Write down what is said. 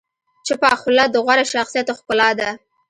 چپه خوله، د غوره شخصیت ښکلا ده.